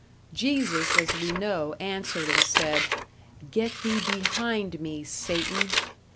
Jesus, as we know, answered and said "Get thee behind me, Satan!"